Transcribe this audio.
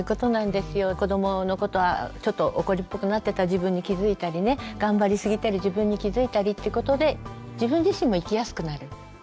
子どものことはちょっと怒りっぽくなってた自分に気付いたりね頑張りすぎてる自分に気付いたりってことで自分自身も生きやすくなるんですね。